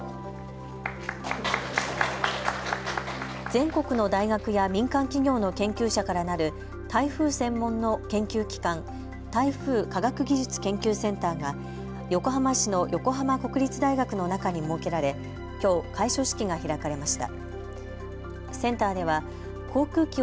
全国の大学や民間企業の研究者からなる台風専門の研究機関台風科学技術研究センターが横浜市の横浜国立大学の中に設けられきょう、開所式が開かれました。